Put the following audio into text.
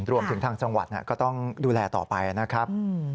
รวมถึงทางจังหวัดก็ต้องดูแลต่อไปนะครับ